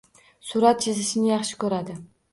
Surat chizishni yaxshi ko`radi